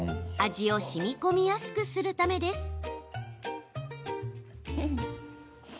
味をしみこみやすくするためです。